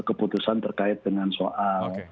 keputusan terkait dengan soal